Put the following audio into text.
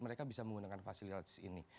mereka bisa menggunakan fasilitas ini